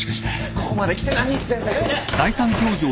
ここまで来て何言ってんだ。